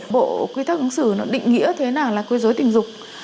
bộ quy tắc ứng xử nó định nghĩa thế nào là quê dối tình dục